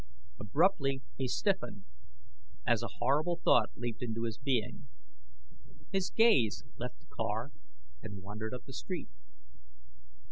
Abruptly he stiffened, as a horrible thought leaped into his being. His gaze left the car and wandered up the street.